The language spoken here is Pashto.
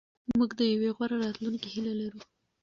موږ د یوې غوره راتلونکې هیله لرو.